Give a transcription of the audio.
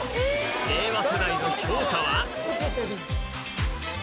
令和世代の評価は？